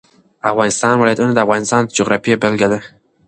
د افغانستان ولايتونه د افغانستان د جغرافیې بېلګه ده.